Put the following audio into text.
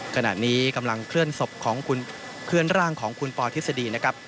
ขณะนี้กำลังเคลื่อนศพของเคลื่อนร่างของคุณปอทฤษฎีนะครับ